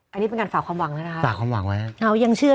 แบบนี้เป็นการฝากความหวังนะ